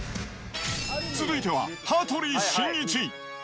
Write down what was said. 続いては、羽鳥慎一。